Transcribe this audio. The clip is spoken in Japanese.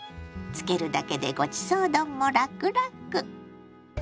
つけるだけでごちそう丼もラクラク！